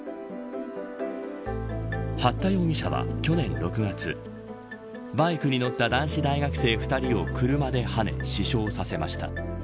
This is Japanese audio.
八田容疑者は去年６月バイクに乗った男子大学生２人を車ではね死傷させました。